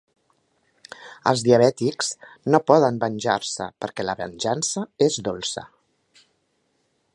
Els diabètics no poden venjar-se, perquè la venjança és dolça.